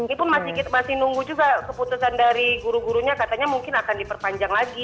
ini pun masih nunggu juga keputusan dari guru gurunya katanya mungkin akan diperpanjang lagi